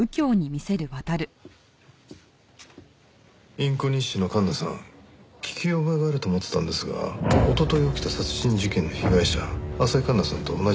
インコ日誌のカンナさん聞き覚えがあると思ってたんですが一昨日起きた殺人事件の被害者浅井環那さんと同じ名前でした。